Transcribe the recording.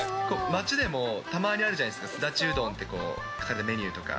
街でもたまにあるじゃないですか、すだちうどんって書かれたメニューとか。